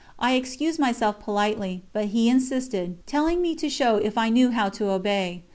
I excused myself politely, but he insisted, telling me to show if I knew how to obey.